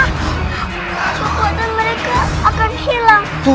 kekuatan mereka akan hilang